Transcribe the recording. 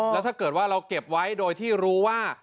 แล้วถ้าเกิดว่าเราเก็บไว้โดยที่รู้ว่า